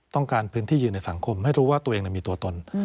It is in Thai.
ต้องการพื้นที่ยืนในสังคมให้รู้ว่าตัวเองมีตัวตน